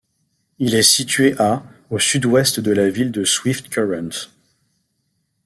Il est situé à au sud-ouest de la ville de Swift Current.